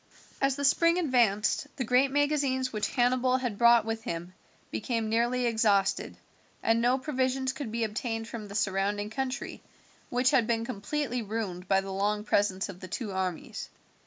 As the spring advanced the great magazines which Hannibal had brought with him became nearly exhausted, and no provisions could be obtained from the surrounding country, which had been completely ruined by the long presence of the two armies.